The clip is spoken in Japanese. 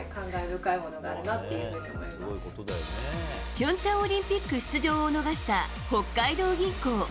平昌オリンピック出場を逃した北海道銀行。